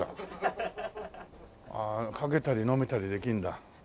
ああかけたり飲めたりできるんだ。